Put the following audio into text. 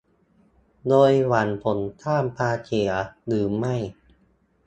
โดยหวังผลสร้างความเสียหรือไม่